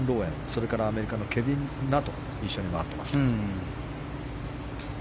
それからアメリカのケビン・ナと一緒に回っています。